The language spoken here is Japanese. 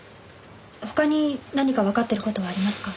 他に何かわかっている事はありますか？